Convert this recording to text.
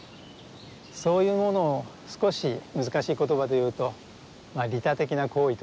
そういうものを少し難しい言葉で言うと「利他的な行為」というんでしょうか。